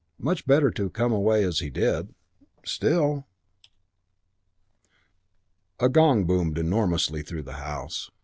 Much better to have come away as he did.... Still.... V A gong boomed enormously through the house.